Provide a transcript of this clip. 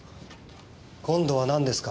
今度はなんですか？